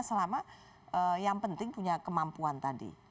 selama yang penting punya kemampuan tadi